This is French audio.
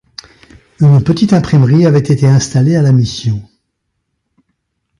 Une petite imprimerie avait été installée à la mission.